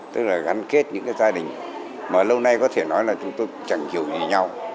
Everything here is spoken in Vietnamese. tức là gắn kết những gia đình mà lâu nay có thể nói là chúng tôi chẳng hiểu gì nhau